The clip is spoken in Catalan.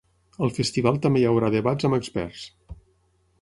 Al festival també hi haurà debats amb experts.